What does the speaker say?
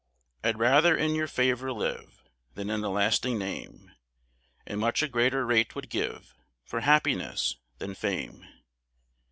"I'd rather in your favour live, Than in a lasting name; And much a greater rate would give For happiness than fame.